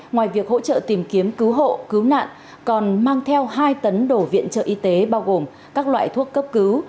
ngoài việc hỗ trợ tìm kiếm cứu hộ cứu nạn còn mang theo hai tấn đổ viện trợ y tế bao gồm các loại thuốc cấp cứu